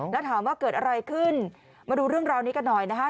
แล้วถามว่าเกิดอะไรขึ้นมาดูเรื่องราวนี้กันหน่อยนะคะ